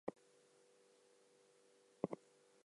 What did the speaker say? Another tradition is the First-Year Sing.